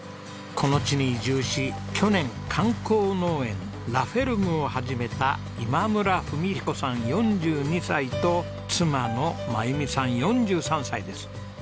この地に移住し去年観光農園Ｌａｆｅｒｍｅを始めた今村文彦さん４２歳と妻の真弓さん４３歳です。